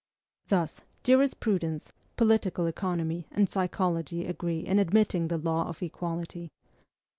Thus, jurisprudence, political economy, and psychology agree in admitting the law of equality.